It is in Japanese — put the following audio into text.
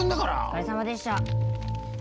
お疲れさまでした。